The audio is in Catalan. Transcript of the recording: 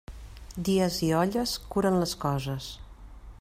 Dies i olles curen les coses.